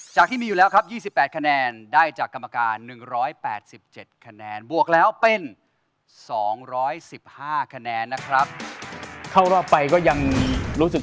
จากที่มีอยู่แล้วครับ๒๘คะแนนได้จากกรรมการ๑๘๗คะแนนบวกแล้วเป็น๒๑๕คะแนนนะครับตอนโบราค